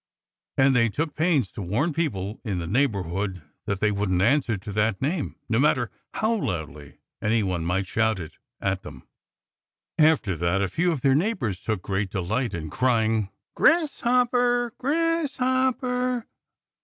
And they took pains to warn people in the neighborhood that they wouldn't answer to that name, no matter how loudly anyone might shout it at them. After that a few of their neighbors took great delight in crying "Grasshopper! Grasshopper!"